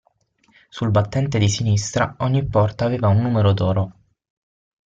Sul battente di sinistra, ogni porta aveva un numero d'oro.